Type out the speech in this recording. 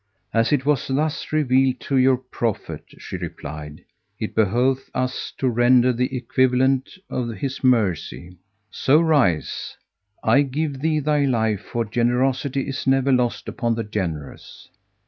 "As it was thus revealed to your Prophet," she replied, "it behoveth us to render the equivalent of his mercy; so rise. I give thee thy life, for generosity is never lost upon the generous."